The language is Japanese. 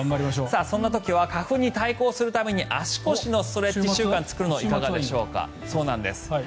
そんな時は花粉に対抗するために足腰のストレッチ習慣を作るのはいかがでしょうか。